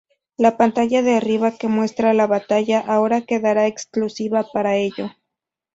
La pantalla de arriba que muestra la batalla ahora quedará exclusiva para ello.